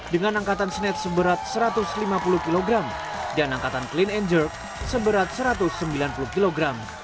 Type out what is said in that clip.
dengan angkatan snatch seberat satu ratus lima puluh kg dan angkatan clean and jerk seberat satu ratus sembilan puluh kg